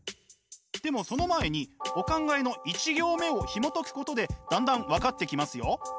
でもその前にお考えの１行目をひもとくことでだんだん分かってきますよ。